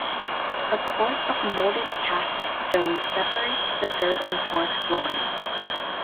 A course of moulded cast stone separates the third and fourth floors.